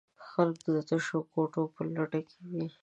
خلک د تشو کوټو په لټه کې وي.